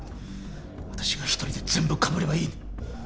私が一人で全部かぶればいい！